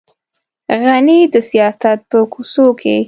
غني د سیاست په کوڅو کې.